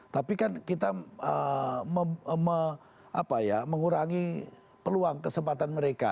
tapi kan kita mengurangi peluang kesempatan mereka